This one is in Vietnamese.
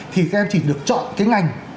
thì các em chỉ được chọn cái ngành